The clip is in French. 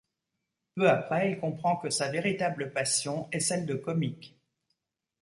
Peu après, il comprend que sa véritable passion est celle de comique.